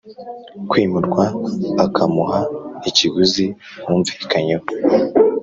kwimurwa akamuha ikiguzi bumvikanyeho